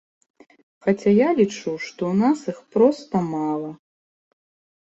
Хаця я лічу, што ў нас іх проста мала.